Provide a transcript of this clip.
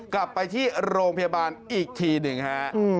กลับไปที่โรงพยาบาลอีกทีหนึ่งฮะ